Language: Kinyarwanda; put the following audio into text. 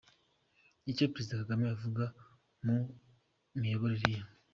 Icyo perezida Kagame avuga ku miyoborere ye.